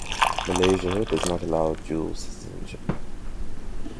Malaysia does not allow dual citizenship.